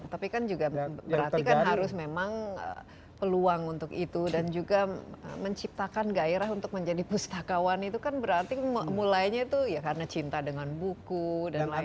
tapi kan juga berarti kan harus memang peluang untuk itu dan juga menciptakan gairah untuk menjadi pustakawan itu kan berarti mulainya itu ya karena cinta dengan buku dan lain lain